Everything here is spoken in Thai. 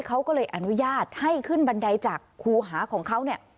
เขาก็เลยอนุญาตให้ขึ้นบันไดจากครูหาของเขาเนี่ย